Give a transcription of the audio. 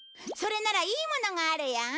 それならいいものがあるよ！